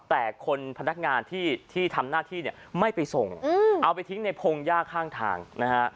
แต่คนพนักงานที่ทำหน้าที่เนี่ยไม่ไปส่งเอาไปทิ้งในพงหญ้าข้างทางนะฮะ